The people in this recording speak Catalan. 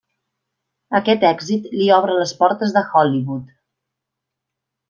Aquest èxit li obre les portes de Hollywood.